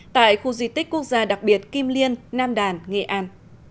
tại khu di tích quốc gia đặc biệt kim liên nam đàn nghệ an